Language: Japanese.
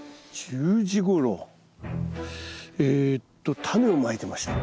１０時ごろえっとタネをまいてました。